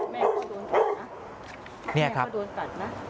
แม่ก็โดนตัดนะแม่ก็โดนตัดนะ